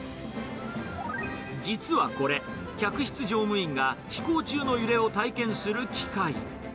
実はこれ、客室乗務員が飛行中の揺れを体験する機械。